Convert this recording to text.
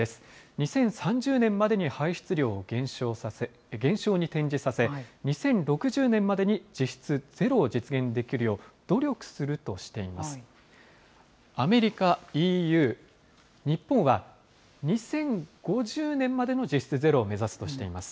２０３０年までに排出量を減少に転じさせ、２０６０年までに実質ゼロを実現できるよう努力するとしています。